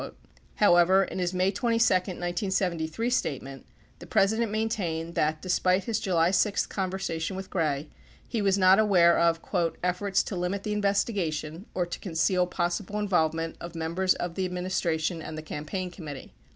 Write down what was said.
48 However, in his May 22, 1973, statement, the President maintained that, despite his July 6 conversa tion with Gray, he was not aware of "efforts to limit the investigation or to conceal possible involvement of members of the administration and the campaign committee."